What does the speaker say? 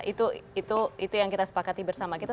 itu yang kita sepakati bersama kita